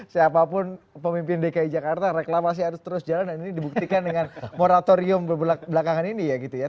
siapapun pemimpin dki jakarta reklamasi harus terus jalan dan ini dibuktikan dengan moratorium belakangan ini ya gitu ya